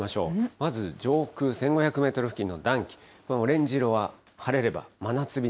まず上空１５００メートル付近の暖気、このオレンジ色は、晴れれ